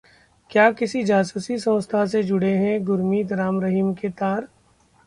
क्या किसी जासूसी संस्था से जुड़े हैं गुरमती राम रहीम के तार?